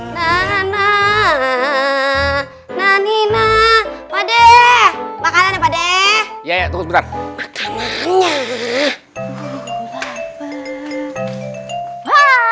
nana nanina pade makanan pade ya itu berapa